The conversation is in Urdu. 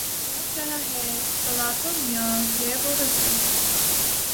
تڑپ رہا ہے فلاطوں میان غیب و حضور